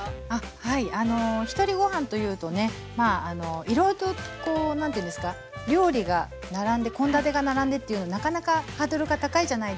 はいあのひとりごはんというとねいろいろとこう何ていうんですか料理が並んで献立が並んでっていうのはなかなかハードルが高いじゃないですか。